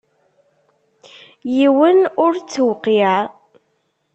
Yiwen ur t-tewqiɛ.